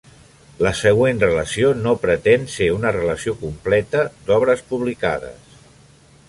La següent relació no pretén ser una relació completa d'obres publicades.